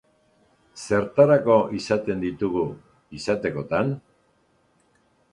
Zertarako izaten ditugu, izatekotan?